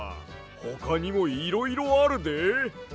ほかにもいろいろあるで。